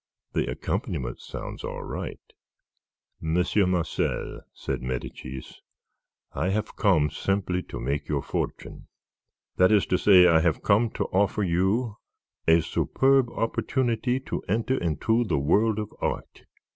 The accompaniment sounds all right." "Monsieur Marcel," said Medicis. "I have simply come to make your fortune. That is to say, I have come to offer you a superb opportunity to enter into the world of art.